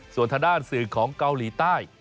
ส่วนทางด้านสื่อของเกาหลีใต้